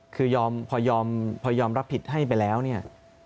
คือยอมพอยอมรับผิดให้ไปแล้วเนี่ย